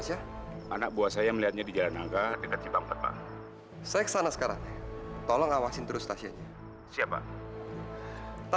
sampai jumpa di video selanjutnya